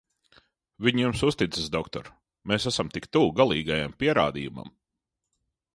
Viņi jums uzticas, doktor, mēs esam tik tuvu galīgajam pierādījumam!